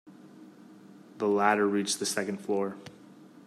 The ladder reached the second floor.